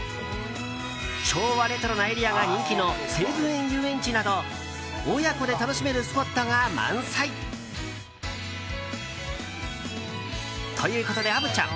昭和レトロなエリアが人気の西武園ゆうえんちなど親子で楽しめるスポットが満載。ということで虻ちゃん